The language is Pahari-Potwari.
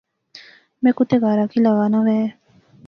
میں کتے گارا کی لاغا ناں وہے